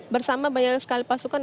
bersama banyak sekali pasukan